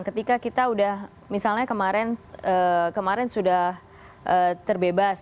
ketika kita sudah misalnya kemarin sudah terbebas